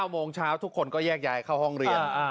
โมงเช้าทุกคนก็แยกย้ายเข้าห้องเรียน